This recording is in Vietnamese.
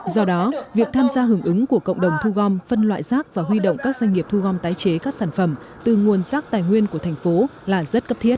do đó việc tham gia hưởng ứng của cộng đồng thu gom phân loại rác và huy động các doanh nghiệp thu gom tái chế các sản phẩm từ nguồn rác tài nguyên của thành phố là rất cấp thiết